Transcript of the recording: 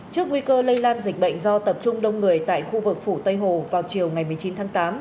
trước nguy cơ lây lan dịch bệnh do tập trung đông người tại khu vực phủ tây hồ vào chiều ngày một mươi chín tháng tám